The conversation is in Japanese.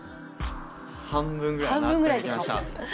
半分ぐらい納得できました。